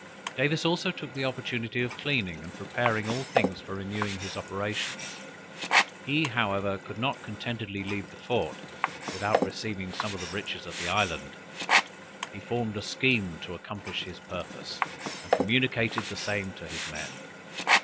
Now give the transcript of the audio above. Davis also took the opportunity of cleaning and preparing all things for renewing his operations. He, however, could not contentedly leave the fort, without receiving some of the riches of the island. He formed a scheme to accomplish his purpose, and communicated the same to his men.